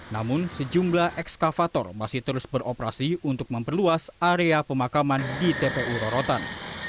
namun sejumlah ekskavator masih terus beroperasi untuk memperluas area pemakaman di tpu rorotan